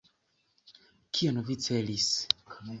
Kion vi celis?